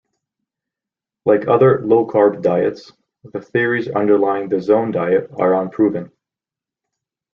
Like other low-carb diets, the theories underlying the Zone diet are unproven.